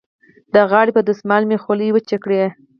د غاړې په دستمال مې خولې وچې کړې.